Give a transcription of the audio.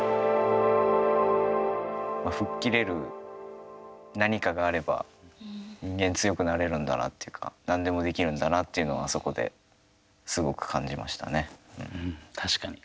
吹っ切れる何かがあれば人間強くなれるんだなっていうか何でもできるんだなっていうのは確かに。